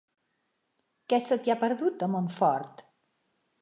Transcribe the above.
Què se t'hi ha perdut, a Montfort?